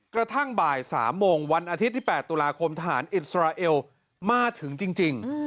กระทั่งบ่าย๓โมงวันอาทิตย์ที่๘ตุลาคมทหารอิสราเอลมาถึงจริง